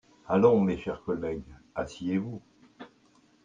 Allons, mes chers collègues, asseyez-vous